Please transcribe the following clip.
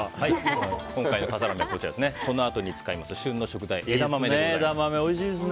今回の笠原の眼はこのあと使う明日旬の食材枝豆です。